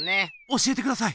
教えてください！